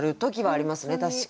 確かに。